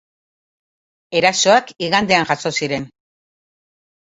Erasoak igandean jazo ziren.